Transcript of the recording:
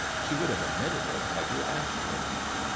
She would have admitted it had you asked her.